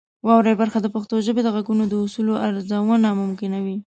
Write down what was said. واورئ برخه د پښتو ژبې د غږونو د اصولو ارزونه ممکنوي.